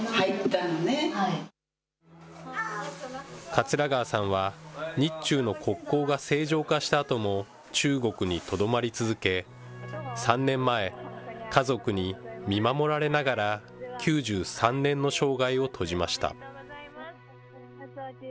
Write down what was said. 桂川さんは、日中の国交が正常化したあとも中国にとどまり続け、３年前、家族に見守られながら、９３年の生涯を閉じました。